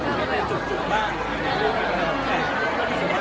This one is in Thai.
การรับความรักมันเป็นอย่างไร